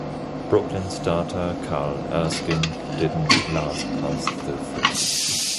Brooklyn starter Carl Erskine didn't last past the first.